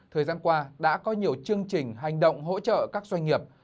thời gian qua đã có nhiều chương trình hành động hỗ trợ các doanh nghiệp